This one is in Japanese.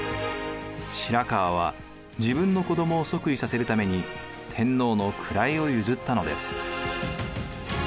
白河は自分の子どもを即位させるために天皇の位を譲ったのです。